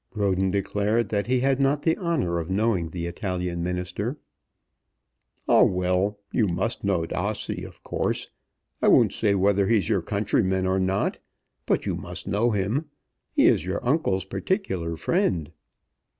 Roden declared that he had not the honour of knowing the Italian Minister. "Ah; well, you must know D'Ossi, of course. I won't say whether he's your countryman or not, but you must know him. He is your uncle's particular friend."